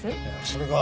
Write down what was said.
それが。